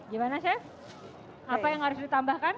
gimana chef apa yang harus ditambahkan